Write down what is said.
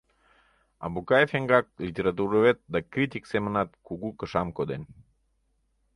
Абукаев-Эмгак литературовед да критик семынат кугу кышам коден.